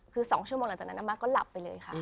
คือ๒ชั่วโมงหลังจากนั้นอาม่าก็หลับไปเลยค่ะ